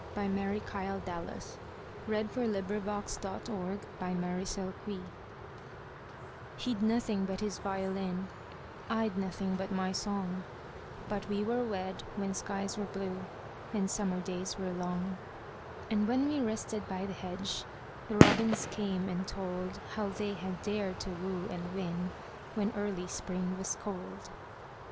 By Mary KyleDallas 1181 He 'd Nothing but His Violin HE 'D nothing but his violin,I 'd nothing but my song, But we were wed when skies were blueAnd summer days were long; And when we rested by the hedge, The robins came and toldHow they had dared to woo and win, When early Spring was cold.